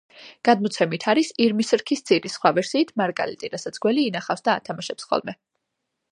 გადმოცემით, არის ირმის რქის ძირი, სხვა ვერსიით, მარგალიტი, რასაც გველი ინახავს და ათამაშებს ხოლმე.